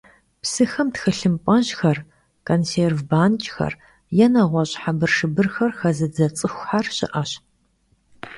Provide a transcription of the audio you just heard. Psıxem txılhımp'ejxer, konsêrv banç'xer yê neğueş' hebırşşıbırxer xezıdze ts'ıxuxer şı'eş.